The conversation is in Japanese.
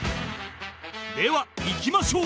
ではいきましょう！